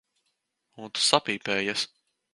Un tu sapīpējies.